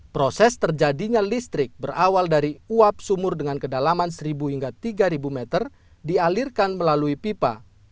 proses terjadinya listrik berawal dari uap sumur dengan kedalaman seribu hingga tiga meter dialirkan melalui pipa